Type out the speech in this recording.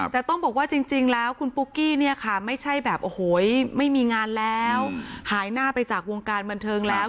แต่ต้องบอกว่าจริงแล้วคุณปุ๊กกี้เนี่ยค่ะไม่ใช่แบบโอ้โหไม่มีงานแล้วหายหน้าไปจากวงการบันเทิงแล้ว